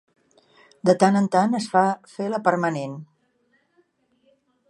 De tant en tant es fa fer la permanent.